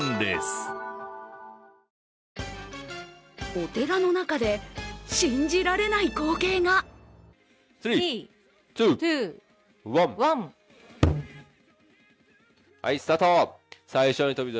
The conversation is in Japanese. お寺の中で、信じられない光景がはい、スタート。